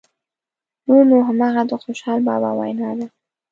نور نو همغه د خوشحال بابا وینا ده.